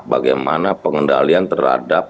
bagaimana pengendalian terhadap